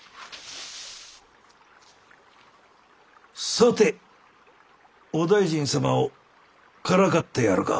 さてお大尽様をからかってやるか。